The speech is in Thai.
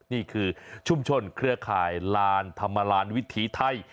นี่คือชุมชนเครือข่ายลานธรรมลานวิถีไทย